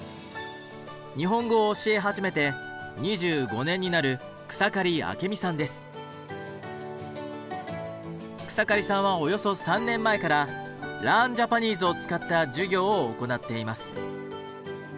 日本語を教え始めて２５年になる草刈さんはおよそ３年前から「ＬｅａｒｎＪａｐａｎｅｓｅ」を使った授業を行っています。